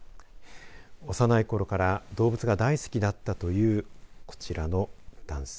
幼いころから動物が大好きだったというこちらの男性。